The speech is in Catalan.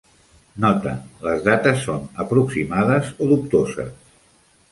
"Nota: les dates són aproximades o dubtoses"